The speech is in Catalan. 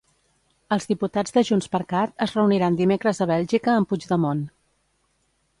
Els diputats de JxCat es reuniran dimecres a Bèlgica amb Puigdemont.